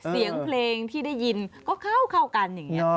เสียงเพลงที่ได้ยินก็เข้ากันอย่างนี้